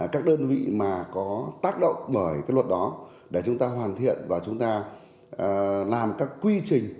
các đơn vị mà có tác động bởi cái luật đó để chúng ta hoàn thiện và chúng ta làm các quy trình